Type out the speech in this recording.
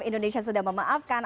indonesia sudah memaafkan